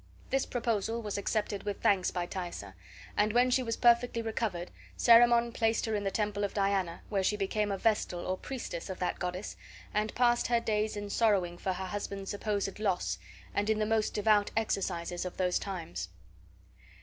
This proposal was accepted with thanks by Thaisa; and when she was perfectly recovered, Cerimon placed her in the temple of Diana, where she became a vestal or priestess of that goddess, and passed her days in sorrowing for her husband's supposed loss, and in the most devout exercises of those times.